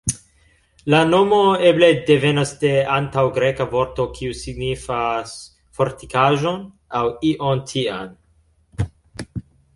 La nomo eble devenas de antaŭ-Greka vorto kiu signifas "fortikaĵon" aŭ ion tian.